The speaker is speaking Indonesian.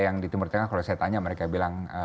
yang di timur tengah kalau saya tanya mereka bilang